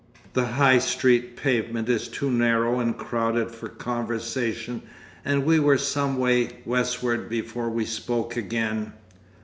The High Street pavement is too narrow and crowded for conversation and we were some way westward before we spoke again.